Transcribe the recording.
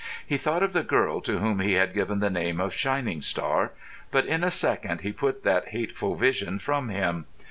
He thought of the girl to whom he had given the name of Shining Star; but in a second he put that hateful vision from him.